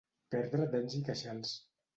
Perdre dents i queixals.